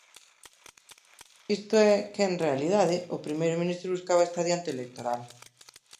Isto é, que en realidade, o primeiro ministro buscaba este adianto electoral.